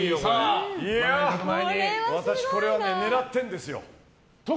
私、これ狙ってるんですよ。